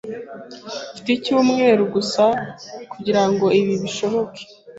Mfite icyumweru gusa kugirango ibi bishoboke.